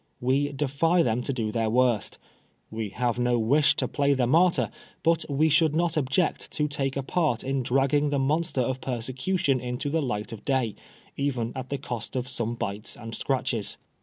We defy them to do their worst We have no wish to play the martyr, but we should not object to take a part m dragging the monster of persecution into the light of day, even at the cost of some bites and scratches.